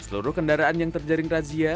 seluruh kendaraan yang terjaring razia